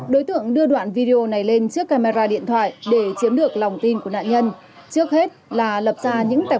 đối tượng đưa đoạn video này lên trước camera điện thoại để chiếm được lòng tin của nạn nhân